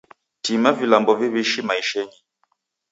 Tima vilambo viwishi maishenyi.